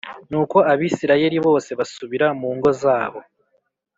Nuko Abisirayeli bose basubira mu ngo zabo.